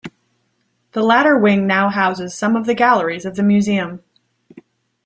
The latter wing now houses some of the galleries of the museum.